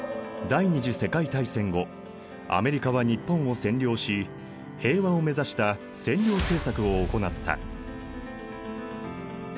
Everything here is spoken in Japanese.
第二次世界大戦後アメリカは日本を占領し平和を目指した占領政策を行った。